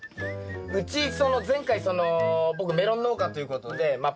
うち前回その僕メロン農家ということでまあ